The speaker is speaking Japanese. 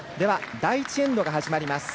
第１エンドが始まります。